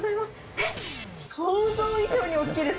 えっ、想像以上に大きいです。